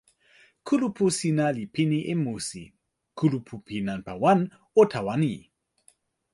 kulupu sina li pini e musi. kulupu pi nanpa wan o tawa ni.